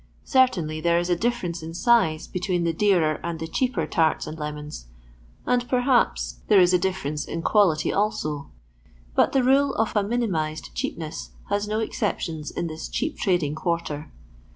Certainly there is a difference in size between the dearer and the cheaper tarts and lemons, and perhaps there is a difference in quality also, but the rule of a mini mized cheapness hat no exceptions in this cheap trading quarter.